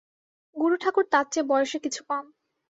গুরুঠাকুর তাঁর চেয়ে বয়সে কিছু কম।